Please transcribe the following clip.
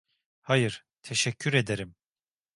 Hayır, teşekkür ederim.